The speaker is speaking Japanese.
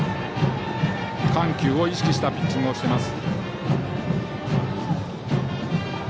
緩急を意識したピッチングをしています。